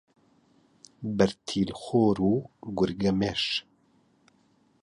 بەرتیل خۆر و گورگەمێش